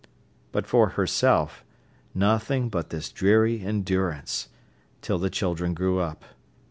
But for herself, nothing but this dreary endurance—till the children grew up.